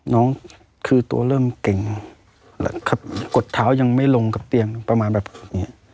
น้องคือตัวเริ่มเก่งกดเท้ายังไม่ลงกับเตียงประมาณแบบเนี้ย